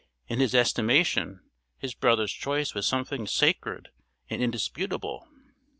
In his estimation, his brother's choice was something sacred and indisputable.